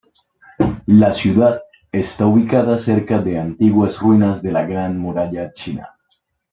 La ciudad está ubicada cerca de antiguas ruinas de la Gran Muralla China.